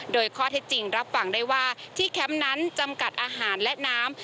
โดยข้อเท็จจริงรับฟังได้ว่าที่แคมป์นั้นจำกัดอาหารและน้ำ